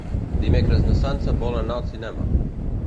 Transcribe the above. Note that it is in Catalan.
Dimecres na Sança vol anar al cinema.